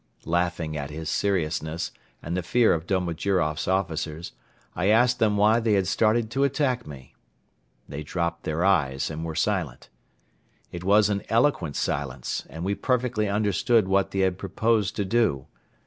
Laughing at his seriousness and the fear of Domojiroff's officers, I asked them why they had started to attack me. They dropped their eyes and were silent. It was an eloquent silence and we perfectly understood what they had proposed to do.